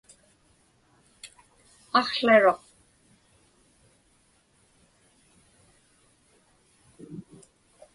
Aqłaruq.